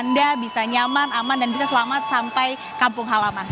anda bisa nyaman aman dan bisa selamat sampai kampung halaman